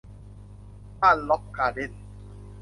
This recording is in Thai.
บ้านร็อคการ์เด้น